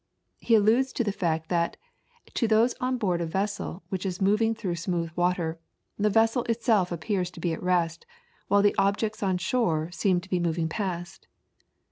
He alludes to the fact that, to those on board a vessel which is moving through smooth water, the vessel itself appears to be at rest, while the objects on shore seem to be moving past.